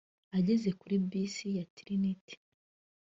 Ageze kuri bisi ya Trinity